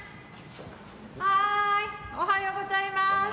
おはようございます！